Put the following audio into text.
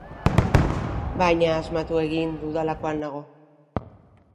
Baina asmatu egin dudalakoan nago.